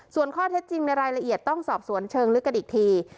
ส่วนข้อเท็จจริงในรายละเอียดต้องสอบสวนเชิงลึกกันอีกที